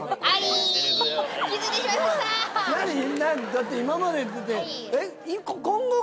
だって今までだって。